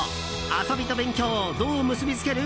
遊びと勉強どう結び付ける？